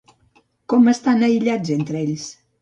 Com estan aïllats entre ells?